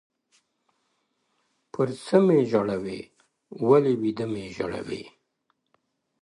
پـــر څـــه مـــــي ژړوې ولـــــــــي ويــــده مــــــــــي ژړوې!